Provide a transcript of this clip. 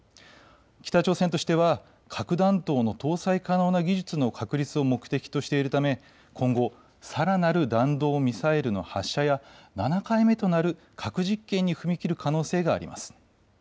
北朝鮮としては核弾頭の搭載可能な技術の確立を目的としているため、今後、さらなる弾道ミサイルの発射や７回目となる核実験に踏み切る可能性があります。